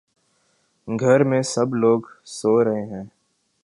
گھر میں سب لوگ سو رہے ہیں